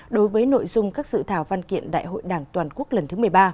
đối với nội dung các dự thảo văn kiện đại hội đảng toàn quốc lần thứ một mươi ba